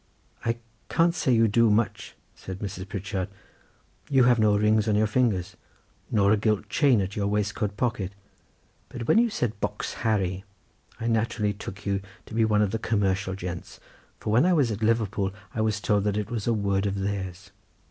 "Can't say you do much," said Mrs. Pritchard; "you have no rings on your fingers, nor a gilt chain at your waistcoat pocket, but when you said 'box Harry,' I naturally took you to be one of the commercial gents, for when I was at Liverpool I was told that that was a word of theirs."